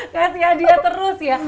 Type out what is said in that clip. kasih hadiah terus ya